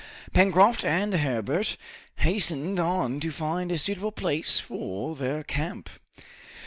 Pencroft and Herbert hastened on to find a suitable place for their camp.